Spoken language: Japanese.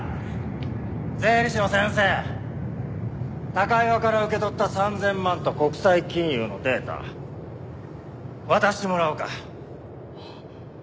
高岩から受け取った３０００万と国際金融のデータ渡してもらおうか。